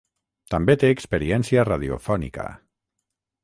També té experiència radiofònica.